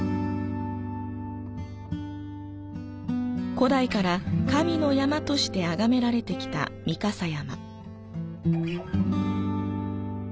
古代から神の山としてあがめられてきた御蓋山。